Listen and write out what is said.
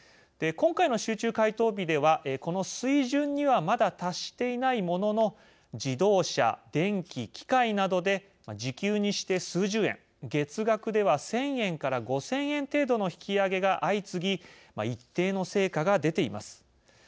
今回の集中回答日ではこの水準にはまだ達していないものの自動車、電機、機械などで時給にして数十円月額では１０００円５０００円程度の引き上げが相次ぎ一定の成果が出ています。